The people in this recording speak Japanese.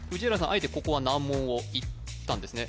あえてここは難問をいったんですね